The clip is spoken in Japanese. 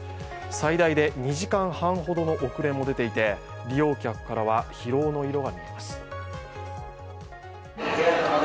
最大で２時間半ほどの遅れも出ていて利用客からは疲労の色が見えます。